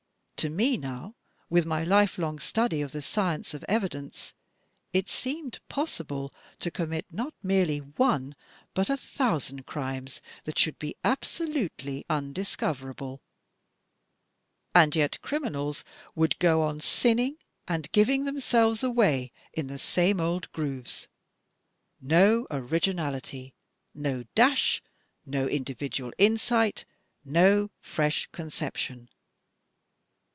To me now, with my lifelong study of the science of evidence, it seemed possible to commit not merely one, but a thou sand crimes that shoidd be absolutely undiscoverable. And yet criminals would go on sinning, and giving themselves away, in the same old grooves — no originality, no dash, no individual insight, no fresh conception